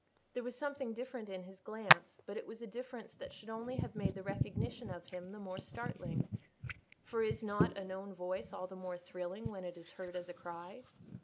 There was something different in his glance, but it was a difference that should only have made the recognition of him the more startling; for is not a known voice all the more thrilling when it is heard as a cry?